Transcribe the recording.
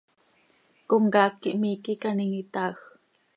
¿Comcaac quih miiqui icaanim itaaj?